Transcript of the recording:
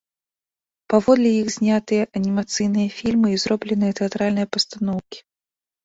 Паводле іх знятыя анімацыйныя фільмы і зробленыя тэатральныя пастаноўкі.